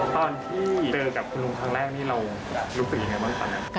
ตอนที่เจอกับคุณลุงครั้งแรกนี่เรารู้สึกยังไงบ้างตอนนั้น